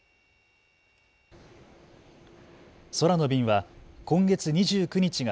空の便は今月２９日が